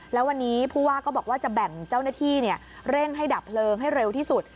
แล้ววันนี้ผู้ว่าก็บอกว่าจะแบ่งเจ้าหน้าที่เร่งให้ดับเพลิงให้เร็วที่สุด